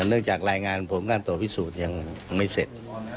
เนื่องจากรายงานผลการตรวจพิสูจน์ยังไม่เสร็จ